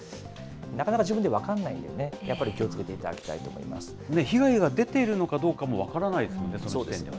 なかなか自分で分かんないんでね、やっぱり気をつけていただきたい被害が出ているのかどうかも分からないですよね、その時点では。